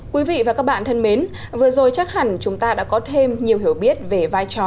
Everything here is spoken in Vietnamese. quý vị và các bạn thân mến vừa rồi chắc hẳn chúng ta đã có thêm nhiều hiểu biết về vai trò